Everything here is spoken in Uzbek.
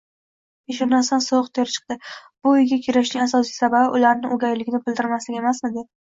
Peshonasidan sovuq ter chikdi. Bu uyga kelishning asosiy sababi ularga o'gayligini bildirmaslik emasmidi?